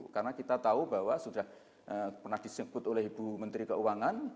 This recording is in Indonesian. karena kita tahu bahwa sudah pernah disingkut oleh ibu menteri keuangan